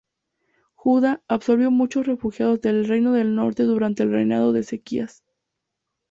Judá absorbió muchos refugiados del reino del norte durante el reinado de Ezequías.